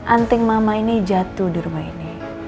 anting mama ini jatuh di rumah ini